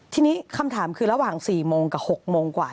ทีนี้คำถามคือระหว่าง๔โมงกับ๖โมงกว่า